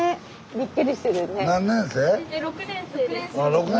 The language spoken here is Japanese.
びっくりしてるね。